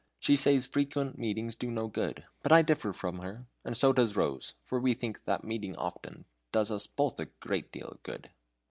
She says frequent meetings do no good; but I differ from her, and so does Rose for we think meeting often does us both a great deal of good.